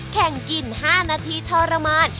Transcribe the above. แข่งกิน๕นาทีทรมาน